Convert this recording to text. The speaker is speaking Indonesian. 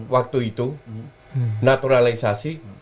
waktu itu naturalisasi